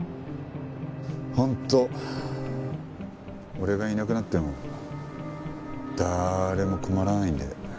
本当俺がいなくなっても誰も困らないんで。